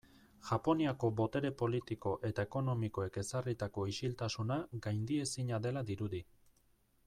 Japoniako botere politiko eta ekonomikoek ezarritako isiltasuna gaindiezina dela dirudi.